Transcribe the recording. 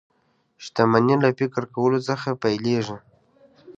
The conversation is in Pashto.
شتمني له فکر کولو څخه پيلېږي